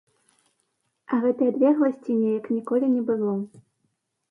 А гэтай адлегласці неяк ніколі не было.